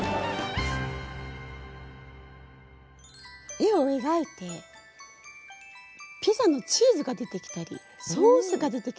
絵を描いてピザのチーズが出てきたりソースが出てきたりってびっくりしましたね。